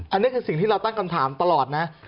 อันนี้คือสิ่งที่เราตั้งคำถามตลอดนะ